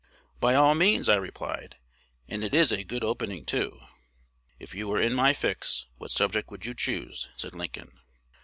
'By all means,' I replied; 'and it is a good opening too.' 'If you were in my fix, what subject would you choose?' said Lincoln.